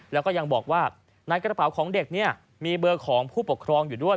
แล้วก็ยังบอกว่าในกระเป๋าของเด็กเนี่ยมีเบอร์ของผู้ปกครองอยู่ด้วย